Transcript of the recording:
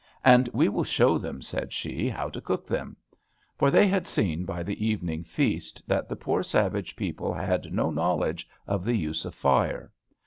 "And we will show them," said she, "how to cook them." For they had seen by the evening feast, that the poor savage people had no knowledge of the use of fire.